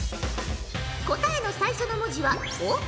答えの最初の文字は「お」。